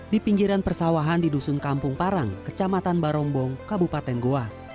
di pinggiran persawahan di dusun kampung parang kecamatan barombong kabupaten goa